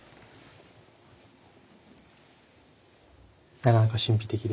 なかなか神秘的で。